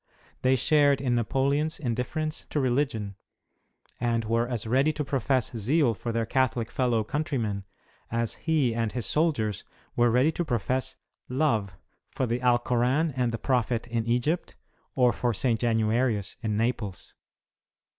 They shared in Napoleon's indifference to religion, and were as ready to profess zeal for their Catholic fellow countrymen, as he and his soldiers were ready to profess " love " for the Alkoran and the Prophet in Egypt, or for St. Januarius, in Naples.